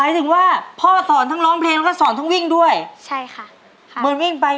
เหมือนวิ่งไปอย่างเงี้ยจงภูมิใจเถอะตัวเกิดไม่ได้